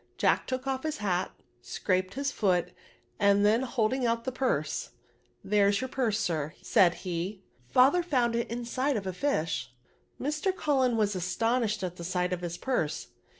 Jack took off his hat^ scraped his foot^ and then holding out the purse —" There's your purse, sir," said he; " father found it inside of a fish/' Mr. Cullen was astonished at the sight of his purse.